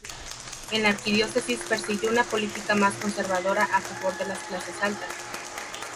En la Arquidiócesis persiguió una política más conservadora a favor de las clases altas.